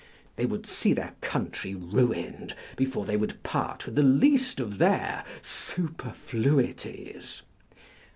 They would see their country ruined before they would part with the least of their superfluities.